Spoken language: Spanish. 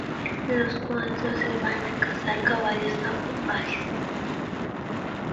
Los cuatro se van a cazar caballos salvajes.